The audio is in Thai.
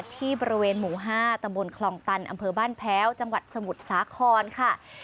ที่บริเวณหมู่๕ตำบลคลองตันอำเภอบ้านแพ้วจังหวัดสมุทรสาครค่ะ